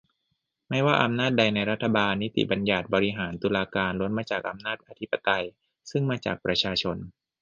ไม่ว่าอำนาจใดในรัฐบาล นิติบัญญัติ บริหาร ตุลาการ ล้วนมาจากอำนาจอธิปไตยซึ่งมาจากประชาชน